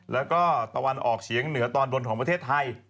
แล้วก็ตะวันออกเฉียงเหนือตอนบนของประเทศไทย